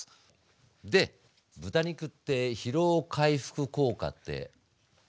で豚肉って疲労回復効果ってあるよね？